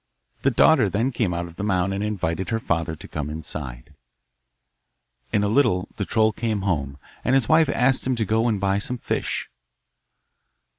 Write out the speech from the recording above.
The daughter then came out of the mound and invited her father to come inside. In a little the troll came home, and his wife asked him to go and buy some fish.